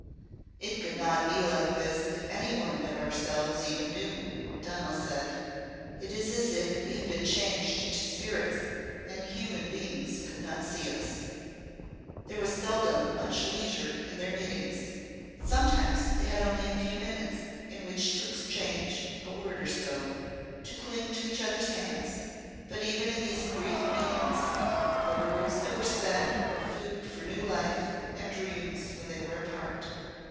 "It could not be like this if any one but ourselves even knew," Donal said. "It is as if we had been changed into spirits and human beings could not see us." There was seldom much leisure in their meetings. Sometimes they had only a few minutes in which to exchange a word or so, to cling to each other's hands. But even in these brief meetings the words that were said were food for new life and dreams when they were apart.